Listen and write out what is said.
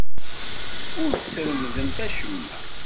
Ur tesremdem acemma.